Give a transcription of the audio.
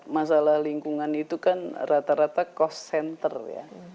masalah lingkungan itu kan rata rata cost center ya